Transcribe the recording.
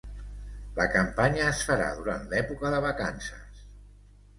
La campanya es farà durant l'època de vacances